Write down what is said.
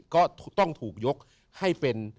ก็ต้องถูกยกให้เป็น